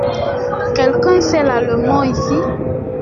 Quelqu’un sait l’allemand ici ?